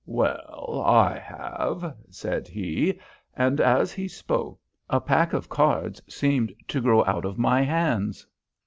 "Well, I have," said he, and as he spoke, a pack of cards seemed to grow out of my hands.